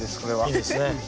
いいですね。